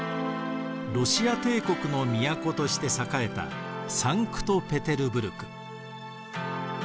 ロシア帝国の都として栄えたサンクトペテルブルク。